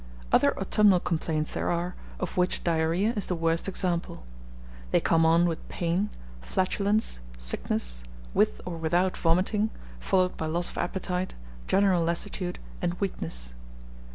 Other autumnal complaints there are, of which diarrhoea is the worst example. They come on with pain, flatulence, sickness, with or without vomiting, followed by loss of appetite, general lassitude, and weakness.